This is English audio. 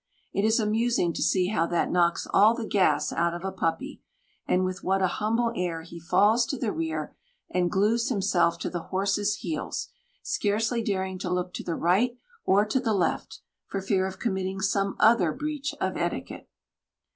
It is amusing to see how that knocks all the gas out of a puppy, and with what a humble air he falls to the rear and glues himself to the horse's heels, scarcely daring to look to the right or to the left, for fear of committing some other breach of etiquette.